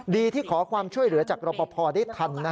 ดีที่ขอความช่วยเหลือจากรอปภได้ทัน